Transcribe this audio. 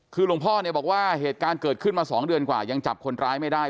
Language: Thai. คือหลวงพ่อเนี่ยบอกว่าเหตุการณ์เกิดขึ้นมา๒เดือนกว่ายังจับคนร้ายไม่ได้